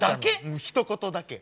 うんひと言だけ。